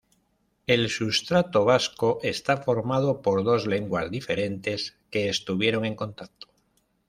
El sustrato vasco está formado por dos lenguas diferentes que estuvieron en contacto.